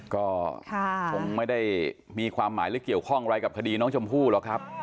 ก็คงไม่ได้มีความหมายหรือเกี่ยวข้องอะไรกับคดีน้องชมพู่หรอกครับ